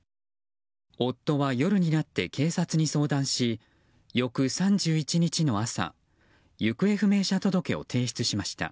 夫は夜になって警察に相談し翌３１日の朝行方不明者届を提出しました。